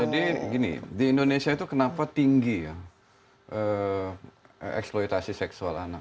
jadi gini di indonesia itu kenapa tinggi ya eksploitasi seksual anak